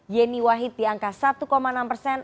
yeni wahid di angka satu enam persen